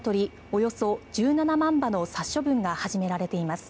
およそ１７万羽の殺処分が始められています。